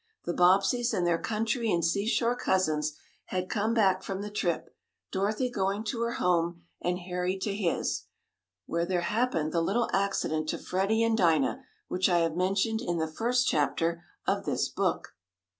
The Bobbseys, and their country and seashore cousins, had come back from the trip, Dorothy going to her home, and Harry to his, when there happened the little accident to Freddie and Dinah, which I have mentioned in the first chapter of this book.